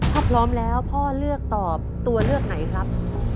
ถ้าพร้อมแล้วพ่อเลือกตอบตัวเลือกไหนครับ